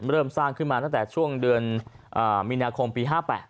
เริ่มสร้างขึ้นมาตั้งแต่ช่วงเดือนมีนาคมปี๕๘